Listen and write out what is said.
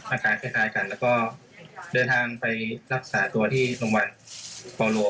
มาท้ายกันแล้วก็เดินทางไปรักษาตัวที่ลงวัลปอโลครับ